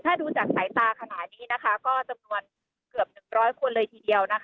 ถ้าดูจากสายตาขณะนี้ก็จำนวนเกือบ๑๐๐คนเลยทีเดียว